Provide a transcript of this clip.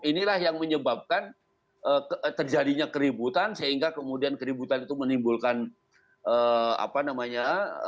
inilah yang menyebabkan terjadinya keributan sehingga kemudian keributan itu menimbulkan apa namanya